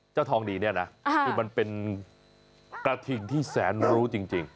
เจ้าทองดีนี่นะมันเป็นกระทิ่งที่แสนรู้จริง